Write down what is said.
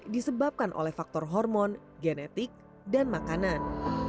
disebabkan oleh faktor hormon genetik dan makanan